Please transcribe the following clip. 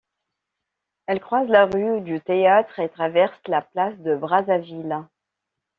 Elle croise la rue du Théâtre et traverse la place de Brazzaville.